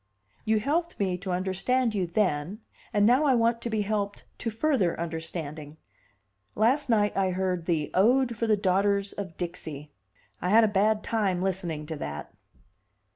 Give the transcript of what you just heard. "You helped me to understand you then, and now I want to be helped to further understanding. Last night I heard the 'Ode for the Daughters of Dixie.' I had a bad time listening to that."